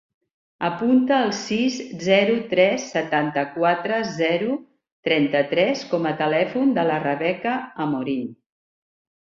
Apunta el sis, zero, tres, setanta-quatre, zero, trenta-tres com a telèfon de la Rebeca Amorin.